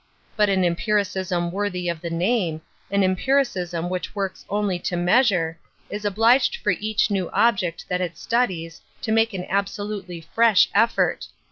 But an empiricism worthy of the name, an empiriciBm which works only to I measure, is obliged for each new object that it studies to make an absolutely fresh effort.